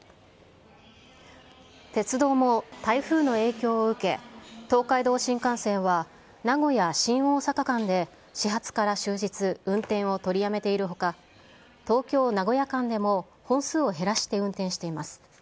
鉄道も台風の影響を受け、東海道新幹線は名古屋・新大阪間で始発から終日運転を取りやめているほか、東京・名古屋間でも本数を減らして運転しています。